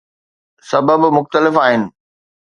سبب مختلف آهن.